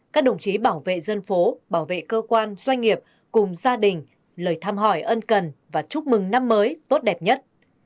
các đồng chí bảo vệ dân phố bảo vệ cơ quan doanh nghiệp cùng gia đình lời thăm hỏi ân cần và chúc mừng năm mới tốt đẹp nhất